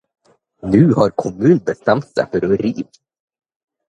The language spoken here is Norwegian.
Nå har kommunen bestemt seg for å rive.